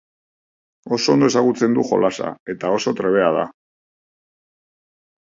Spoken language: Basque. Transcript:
Oso ondo ezagutzen du jolasa, eta oso trebea da.